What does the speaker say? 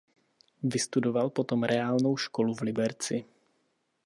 Vystudoval potom reálnou školu v Liberci.